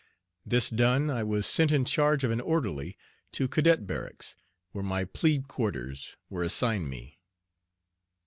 This done I was sent in charge of an orderly to cadet barracks, where my "plebe quarters" were assigned me.